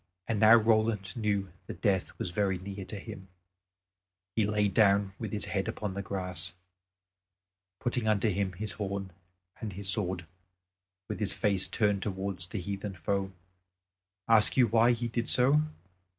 And now Roland knew that death was very near to him. He laid himself down with his head upon the grass, putting under him his horn and his sword, with his face turned towards the heathen foe. Ask you why he did so?